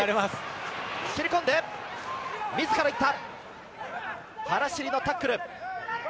走り込んで自ら行った！